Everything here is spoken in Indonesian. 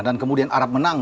dan kemudian arab menang